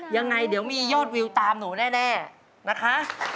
ยังไงเดี๋ยวมียอดวิวตามหนูแน่นะคะ